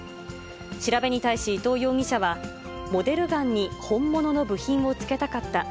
調べに対し、伊藤容疑者は、モデルガンに本物の部品をつけたかった。